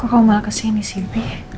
kok kau malah kesini sih bi